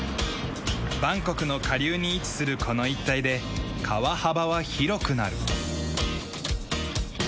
バンコクの下流に位置するこの一帯で川幅は広くなる。